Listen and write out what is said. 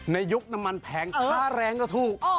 ยุคน้ำมันแพงค่าแรงก็ถูก